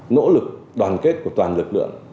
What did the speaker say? nỗ lực đoàn kết của toàn lực lượng